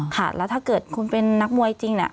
แล้วถ้าเกิดคุณเป็นนักมวยจริง